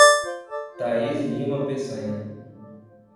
Thaís Lima Pessanha